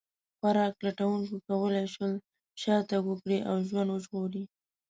خوراک لټونکو کولی شول شا تګ وکړي او ژوند وژغوري.